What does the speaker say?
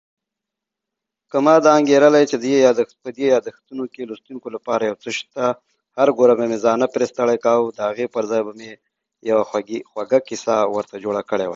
In particular, Procaccino criticized Lindsay for favoring unemployed blacks over working-class white ethnics.